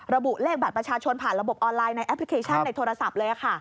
ระบุเลขบัตรประชาชนผ่านระบบออนไลน์ในแอปพลิเคชันในโทรศัพท์เลยค่ะ